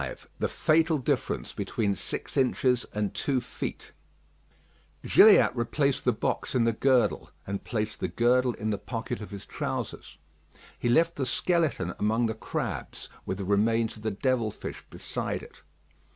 V THE FATAL DIFFERENCE BETWEEN SIX INCHES AND TWO FEET Gilliatt replaced the box in the girdle, and placed the girdle in the pocket of his trousers. He left the skeleton among the crabs, with the remains of the devil fish beside it.